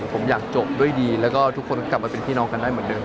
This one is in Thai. ผมอยากจบด้วยดีแล้วก็ทุกคนก็กลับมาเป็นพี่น้องกันได้เหมือนเดิม